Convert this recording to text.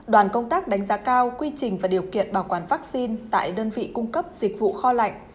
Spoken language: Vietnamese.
đoàn công tác đánh giá cao quy trình và điều kiện bảo quản vaccine tại đơn vị cung cấp dịch vụ kho lạnh